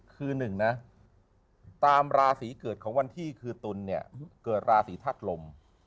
คือหนึ่งนะตามราศีเกิดของวันที่คือตุลเนี่ยเกิดราศีธาตุลม